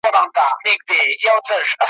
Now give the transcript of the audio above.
چي هر څو به ښکاري زرک وکړې ککړي `